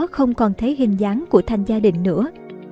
không còn thấy hình dáng của thành gia đình nữa